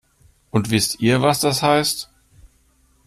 Und wisst ihr, was das heißt?